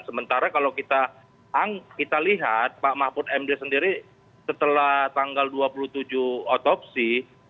sementara kalau kita lihat pak mahfud md sendiri setelah tanggal dua puluh tujuh otopsi